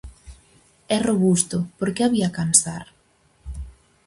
É robusto: por que había cansar?